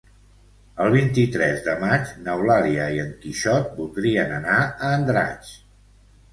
El vint-i-tres de maig n'Eulàlia i en Quixot voldrien anar a Andratx.